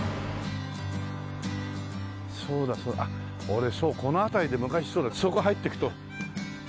そうだそう俺そうこの辺りで昔そうだそこ入っていくとそうそう。